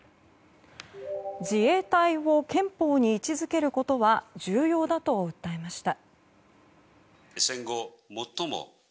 自衛隊を憲法に位置付けることは重要だと訴えました。